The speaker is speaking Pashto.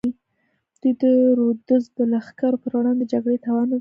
دوی د رودز د لښکرو پر وړاندې جګړې توان نه درلود.